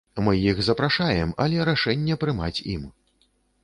Мы іх запрашаем, але рашэнне прымаць ім.